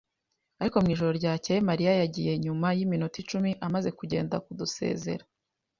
Ariko mwijoro ryakeye Mariya yagiye nyuma yiminota icumi amaze kugenda kudusezera.